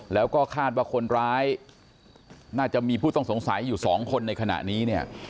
แล้วก็คาดว่าคนร้ายน่าจะมีผู้ต้องสงสัยอยู่สองคนในขณะนี้เนี่ย